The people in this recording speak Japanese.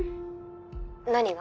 何が？